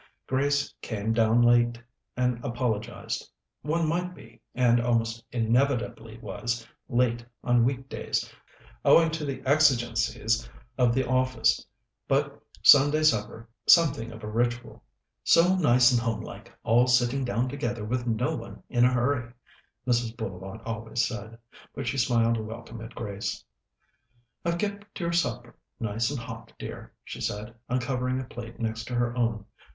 Grace came down late, and apologized. One might be, and almost inevitably was, late on week days, owing to the exigencies of the office, but Sunday supper was something of a ritual. "So nice and homelike, all sitting down together with no one in a hurry," Mrs. Bullivant always said. But she smiled a welcome at Grace. "I've kept your supper nice and hot, dear," she said, uncovering a plate next to her own.